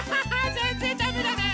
ぜんぜんだめだね。